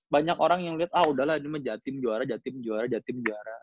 banyak orang yang lihat ah udahlah ini mah jatim juara jatim juara jatim juara